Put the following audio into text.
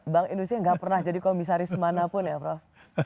bank indonesia nggak pernah jadi komisaris manapun ya prof